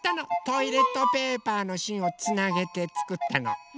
トイレットペーパーのしんをつなげてつくったの。